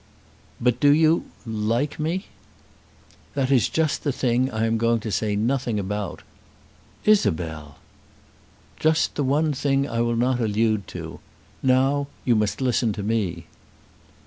"But do you like me?" "That is just the thing I am going to say nothing about." "Isabel!" "Just the one thing I will not allude to. Now you must listen to me."